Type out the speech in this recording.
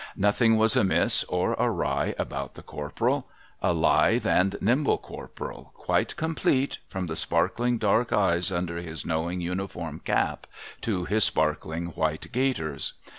Nothing was amiss or awry about the Corporal. A lithe and nimble Corporal, quite complete, from the sparkling dark eyes under his knowing uniform cap to his sparkling white gaiters.